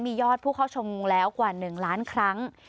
มียอดผู้เข้าชมแล้วกว่า๑ล้านครั้ง